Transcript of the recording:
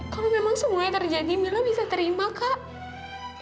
kalau memang semuanya terjadi mila bisa terima kak